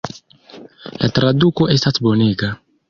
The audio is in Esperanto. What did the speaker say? La traduko estas bonega.